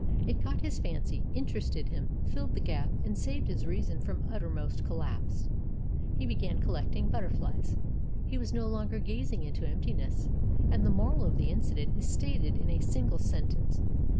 It caught his fancy, interested him, filled the gap, and saved his reason from uttermost collapse. He began collecting butterflies. He was no longer gazing into emptiness. And the moral of the incident is stated in a single sentence.